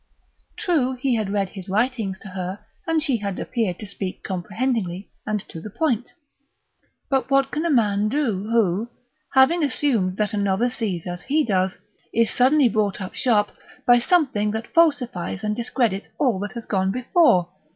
True, he had read his writings to her and she had appeared to speak comprehendingly and to the point; but what can a man do who, having assumed that another sees as he does, is suddenly brought up sharp by something that falsifies and discredits all that has gone before?